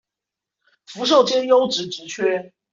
福壽街優質職缺